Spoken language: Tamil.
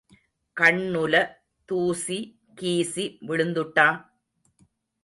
கண்ணுல தூசி கீசி விழுந்துட்டா?